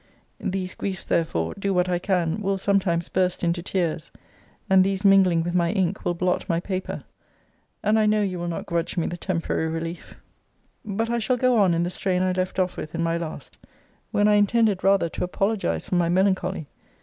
These griefs, therefore, do what I can, will sometimes burst into tears; and these mingling with my ink, will blot my paper. And I know you will not grudge me the temporary relief. But I shall go on in the strain I left off with in my last, when I intended rather to apologize for my melancholy.